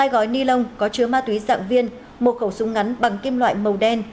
hai gói ni lông có chứa ma túy dạng viên một khẩu súng ngắn bằng kim loại màu đen